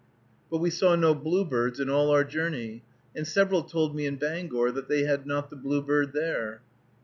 but we saw no bluebirds in all our journey, and several told me in Bangor that they had not the bluebird there.